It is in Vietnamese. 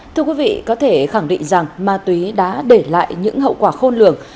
thưa quý vị có thể khẳng định rằng ma túy đã để lại những hậu quả khôn lường